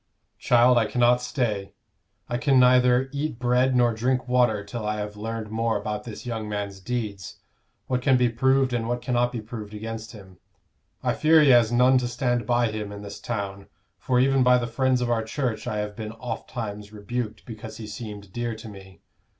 "Child, I cannot stay. I can neither eat bread nor drink water till I have learned more about this young man's deeds, what can be proved and what cannot be proved against him. I fear he has none to stand by him in this town, for even by the friends of our church I have been ofttimes rebuked because he seemed dear to me.